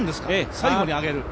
最後に上げる。